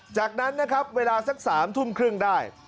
จากนั้นนะครับเวลาสัก๓ทุ่มครึ่งได้